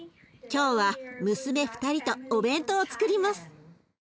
今日は娘２人とお弁当をつくります。